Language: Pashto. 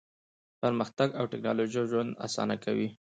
پرمختګ او ټیکنالوژي ژوند اسانه کوي.